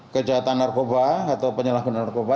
kejahatan narkoba atau penyalahgunaan narkoba